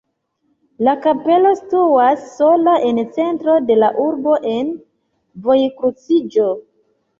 La kapelo situas sola en centro de la urbo en vojkruciĝo.